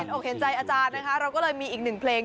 อกเห็นใจอาจารย์นะคะเราก็เลยมีอีกหนึ่งเพลง